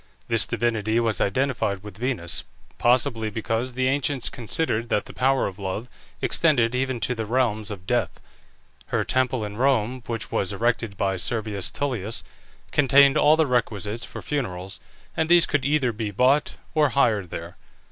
This divinity was identified with Venus, possibly because the ancients considered that the power of love extended even to the realms of death. Her temple in Rome, which was erected by Servius Tullius, contained all the requisites for funerals, and these could either be bought or hired there.